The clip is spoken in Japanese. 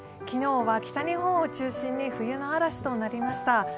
昨日は北日本を中心に冬の嵐となりました。